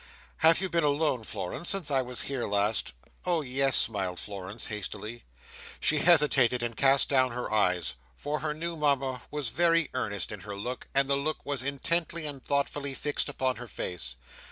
"Have you been alone, Florence, since I was here last?" "Oh yes!" smiled Florence, hastily. She hesitated and cast down her eyes; for her new Mama was very earnest in her look, and the look was intently and thoughtfully fixed upon her face.